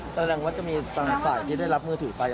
แสดงว่าจะมีต่างฝ่ายที่ได้รับมือถือไป